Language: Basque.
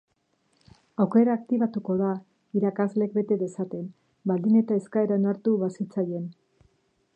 Aukera aktibatuko da, irakasleek bete dezaten, baldin eta eskaera onartu bazitzaien.